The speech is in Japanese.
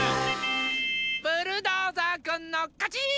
ブルドーザーくんのかち！